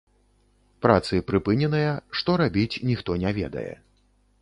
Працы прыпыненыя, што рабіць, ніхто не ведае.